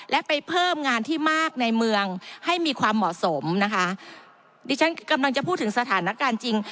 และไปเพิ่มงานที่มากในเมืองให้มีความเหมาะสมนะคะดิฉันกำลังจะพูดถึงสถานการณ์จริง